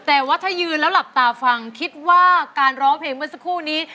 แต่ว่าถ้ายืนแล้วหลับตาฟังคิดว่าการร้องเพลงเมื่อสักครู่นี้